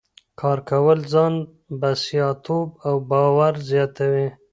کار کول ځان بسیا توب او باور زیاتوي.